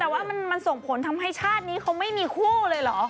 แต่ว่ามันส่งผลทำให้ชาตินี้เขาไม่มีคู่เลยเหรอ